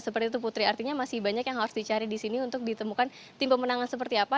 seperti itu putri artinya masih banyak yang harus dicari di sini untuk ditemukan tim pemenangan seperti apa